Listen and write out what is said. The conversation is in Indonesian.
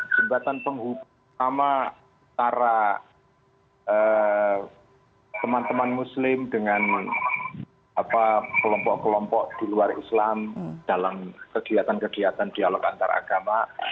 jembatan penghubung sama antara teman teman muslim dengan kelompok kelompok di luar islam dalam kegiatan kegiatan dialog antaragama